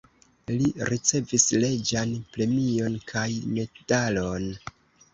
Li ricevis reĝan premion kaj medalon.